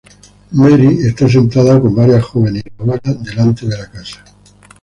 Marie está sentada con varias jóvenes y la abuela delante de la casa.